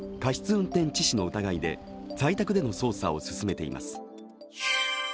運転致死の疑いで在宅での捜査を進めています。